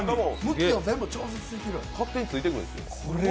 勝手についてくるんです。